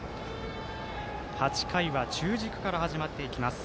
８回は中軸から始まっていきます。